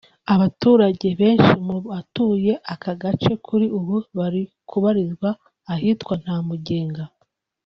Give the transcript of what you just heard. Abaturage benshi mu batuye aka gace kuri ubu bari kubarizwa ahitwa Ntamugenga